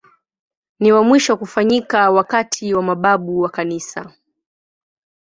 Ni wa mwisho kufanyika wakati wa mababu wa Kanisa.